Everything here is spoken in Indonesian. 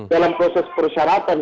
dalam proses persyaratan